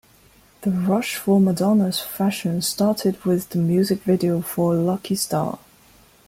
The rush for Madonna's fashion started with the music video for "Lucky Star".